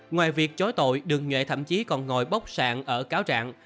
ngoài việc chối tội đường nghệ thậm chí còn ngồi bốc sạng ở cáo trạng